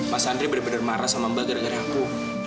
mas andri bener bener marah sama mbak gara gara aku